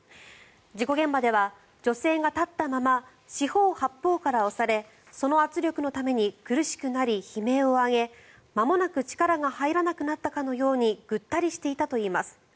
事故現場では女性が立ったまま四方八方から押されその圧力のために苦しくなり悲鳴を上げまもなく力が入らなくなったかのようにぐったりしていたといいます。